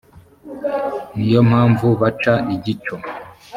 ni yo mpamvu baca igico